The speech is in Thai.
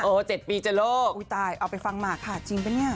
๗ปีจะโลกอุ้ยตายเอาไปฟังหมากค่ะจริงปะเนี่ย